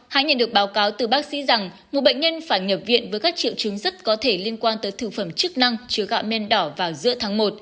hãy nhận được báo cáo từ bác sĩ rằng một bệnh nhân phải nhập viện với các triệu chứng rất có thể liên quan tới thực phẩm chức năng chứa gạo men đỏ vào giữa tháng một